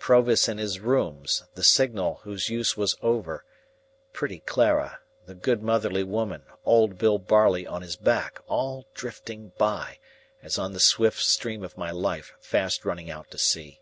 Provis in his rooms, the signal whose use was over, pretty Clara, the good motherly woman, old Bill Barley on his back, all drifting by, as on the swift stream of my life fast running out to sea!